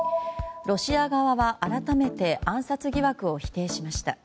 ロシア側は改めて暗殺疑惑を否定しました。